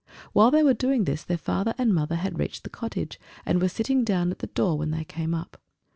Whilst they were doing this, their father and mother had reached the cottage, and were sitting down at the door when they came up.